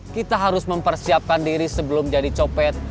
kita harus mempersiapkan diri sebelum jadi copet